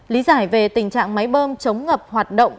lý giải về tình trạng máy bơm chống ngập hoạt động